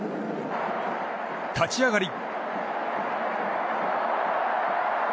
立ち上がり。